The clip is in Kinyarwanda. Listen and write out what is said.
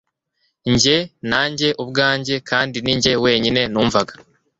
njye, nanjye ubwanjye, kandi ninjye wenyine numvaga